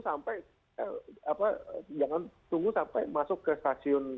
sampai masuk ke stasiun